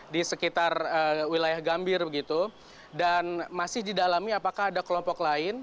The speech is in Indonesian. di sekitar wilayah gambir begitu dan masih didalami apakah ada kelompok lain